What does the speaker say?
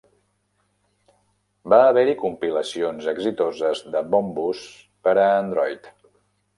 Va haver-hi compilacions exitoses de Bombus per a Android.